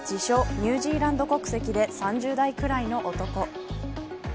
ニュージーランド国籍で３０代くらいの男。